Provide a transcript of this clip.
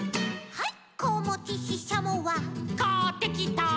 「」「」「」はい。